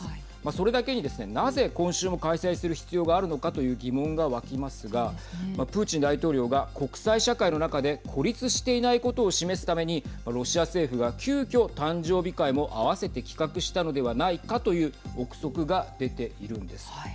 それだけにですねなぜ、今週も開催する必要があるのかという疑問が湧きますがプーチン大統領が国際社会の中で孤立していないことを示すためにロシア政府が、急きょ誕生日会も併せて企画したのではないかという臆測が出ているんです。